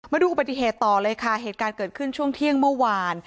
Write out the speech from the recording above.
มาดูอุบัติเหตุต่อเลยค่ะเหตุการณ์เกิดขึ้นช่วงเที่ยงเมื่อวาน